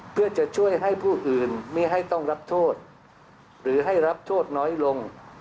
เพื่อจะช่วยให้ผู้อื่นไม่ให้ต้องรับโทษหรือให้รับโทษน้อยลง